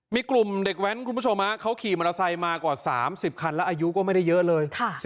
มีกลุ่มเด็กแว้นคุณผู้ชมเขาขี่มอเตอร์ไซค์มากว่า๓๐คันแล้วอายุก็ไม่ได้เยอะเลย